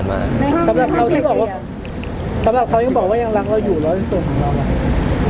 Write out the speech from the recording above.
สำหรับเขาที่บอกว่ายังรักเราอยู่แล้วในส่วนของเราอะไร